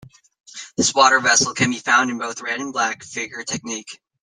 This water vessel can be found in both red- and black-figure technique.